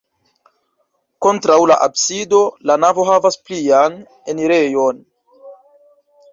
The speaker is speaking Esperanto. Kontraŭ la absido la navo havas plian enirejon.